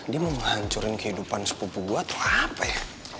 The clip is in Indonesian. dia mau menghancurin kehidupan sepupu gue atau apa ya